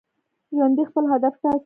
ژوندي خپل هدف ټاکي